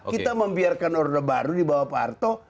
kita membiarkan orde baru di bawah pak harto